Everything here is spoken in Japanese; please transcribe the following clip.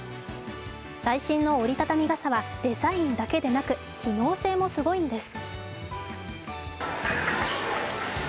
最新の折り畳み傘はデザインだけでなく機能性もすごいんです。